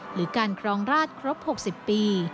หรือการครองราชครบ๖๐ปี